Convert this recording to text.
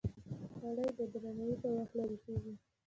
خولۍ د درناوي پر وخت لرې کېږي.